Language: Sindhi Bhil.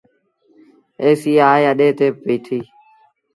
ايسيٚ آئي اَڏي تي بيٚٺيٚ۔